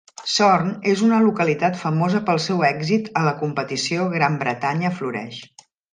Sorn és una localitat famosa pel seu èxit a la competició Gran Bretanya Floreix.